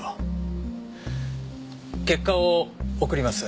結果を送ります。